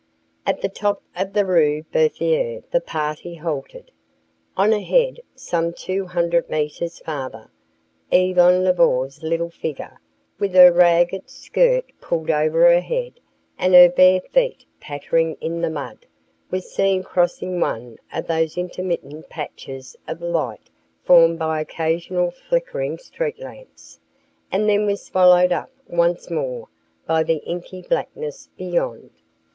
III At the top of the Rue Berthier the party halted. On ahead some two hundred metres farther Yvonne Lebeau's little figure, with her ragged skirt pulled over her head and her bare feet pattering in the mud, was seen crossing one of those intermittent patches of light formed by occasional flickering street lamps, and then was swallowed up once more by the inky blackness beyond.